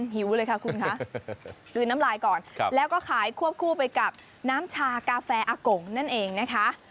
หิวเลยค่ะคุณคะกลืนน้ำลายก่อนแล้วก็ขายควบคู่ไปกับน้ำชากาแฟอากงนั่นเองนะคะ